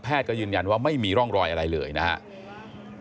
ก็ยืนยันว่าไม่มีร่องรอยอะไรเลยนะครับ